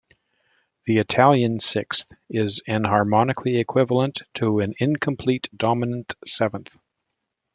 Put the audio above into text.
The Italian sixth is enharmonically equivalent to an incomplete dominant seventh.